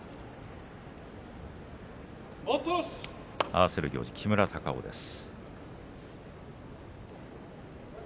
合わせる行司は木村隆男です。